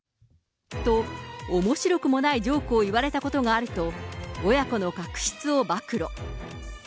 と、おもしろくもないジョークを言われたことがあると、親子の確執を暴露。